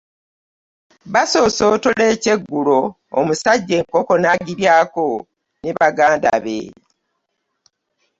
Basoosootola ekyeggulo omusajja enkoko n’agiryako ne baganda be.